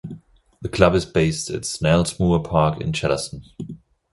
The club is based at Snelsmoor Park in Chellaston.